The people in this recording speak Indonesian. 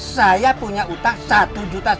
saya punya utang satu juta